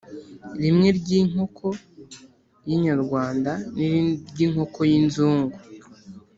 rimwe ry’inkoko y’inyarwanda n’irindi ry’inkoko y’inzugu